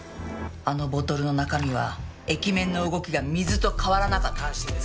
あのボトルの中身は液面の動きが水と変わらなかった。